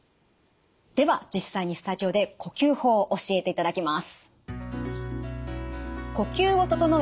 では実際にスタジオで呼吸法教えていただきます。